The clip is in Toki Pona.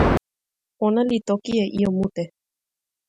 ona li toki e ijo mute.